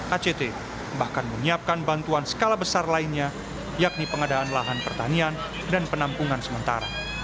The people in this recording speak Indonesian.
act bahkan menyiapkan bantuan skala besar lainnya yakni pengadaan lahan pertanian dan penampungan sementara